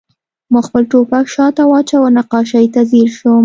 ما خپل ټوپک شاته واچاوه او نقاشۍ ته ځیر شوم